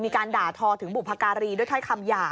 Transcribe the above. มีการด่าทอถึงบุพการีด้วยถ้อยคำหยาบ